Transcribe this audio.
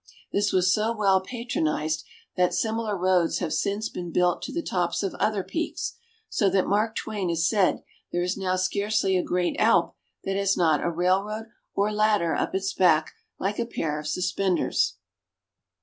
This was so well patronized that similar roads have since been built to the tops of other peaks, so that Mark Twain has said there is now scarcely a great Alp that has not a railroad or ladder up its back like a pair of suspenders.